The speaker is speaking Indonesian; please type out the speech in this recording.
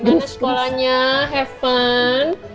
gimana sekolahnya have fun